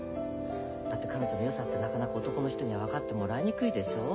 だって彼女のよさってなかなか男の人には分かってもらいにくいでしょう。